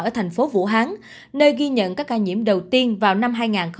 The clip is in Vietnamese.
ở thành phố vũ hán nơi ghi nhận các ca nhiễm đầu tiên vào năm hai nghìn hai mươi